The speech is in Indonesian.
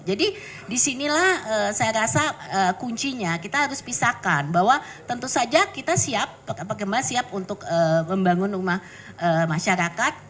jadi disinilah saya rasa kuncinya kita harus pisahkan bahwa tentu saja kita siap pengembang siap untuk membangun rumah masyarakat